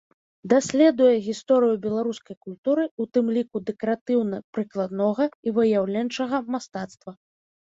Даследуе гісторыю беларускай культуры, у тым ліку дэкаратыўна-прыкладнога і выяўленчага мастацтва.